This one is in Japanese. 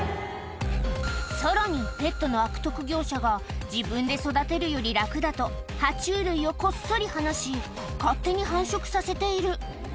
さらにペットの悪徳業者が、自分で育てるより楽だと、は虫類をこっそり放し、勝手に繁殖させている。